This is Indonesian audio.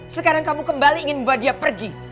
sekarang kamu kembali ingin membuat dia pergi